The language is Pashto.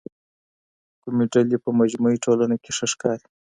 کومې ډلې په مجموعي ټولنه کي ښه ښکاري؟